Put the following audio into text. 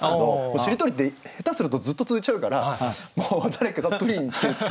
しりとりって下手するとずっと続いちゃうからもう誰かが「プリン」って言って終わらせる。